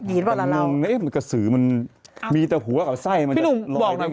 เดี๋ยวล่ะเรามันกระสือมันมีแต่หัวกับไส้มันจะลอยด้วยไง